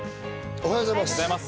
おはようございます。